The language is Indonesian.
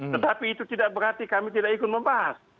tetapi itu tidak berarti kami tidak ikut membahas